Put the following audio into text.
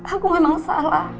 aku memang salah